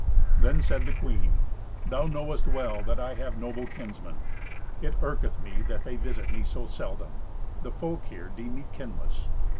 Then said the queen, "Thou knowest well that I have noble kinsmen. It irketh me that they visit me so seldom. The folk here deem me kinless."